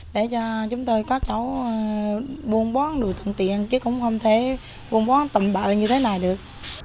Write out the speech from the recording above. để cho chúng tôi có cháu buôn bón đủ thằng tiền chứ cũng không thể buôn bón tầm bạc như thế này được